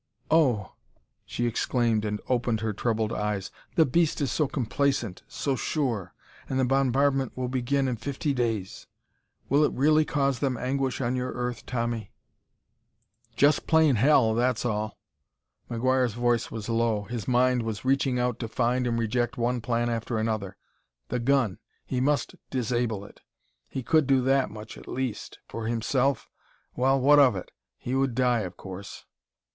"Oh!" she exclaimed and opened her troubled eyes. "The beast is so complacent, so sure! And the bombardment will begin in fifty days! Will it really cause them anguish on your Earth, Tommy?" "Just plain hell; that's all!" McGuire's voice was low; his mind was reaching out to find and reject one plan after another. The gun!... He must disable it; he could do that much at least. For himself well, what of it? he would die, of course.